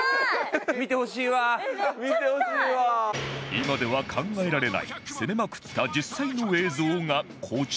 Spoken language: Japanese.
今では考えられない攻めまくった実際の映像がこちら